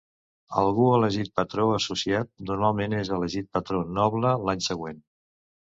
Algú elegit Patró associat, normalment és elegit Patró noble l'any següent.